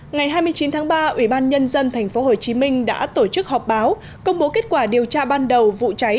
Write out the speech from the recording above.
ngày hai mươi chín tháng ba ủy ban nhân dân tp hcm đã tổ chức họp báo công bố kết quả điều tra ban đầu vụ cháy